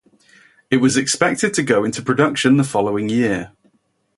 It was expected to go into production the following year.